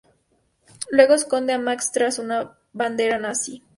Luego esconden a Max tras una bandera nazi.